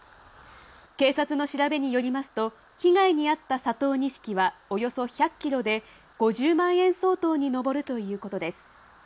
警察の調べによりますと、被害に遭った佐藤錦はおよそ１００キロで、５０万円相当に上るということです。